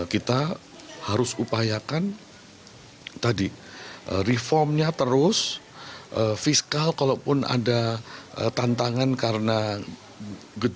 kita harus upayakan tadi reformnya terus fiskal kalaupun ada tantangan karena gejala